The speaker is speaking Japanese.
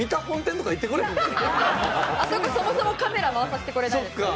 あそこそもそもカメラ回させてくれないですからね。